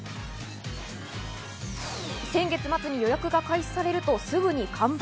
先月末に予約が開始されるとすぐに完売。